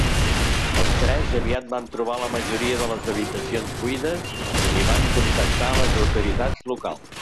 Els tres aviat van trobar la majoria de les habitacions buides i van contactar les autoritats locals.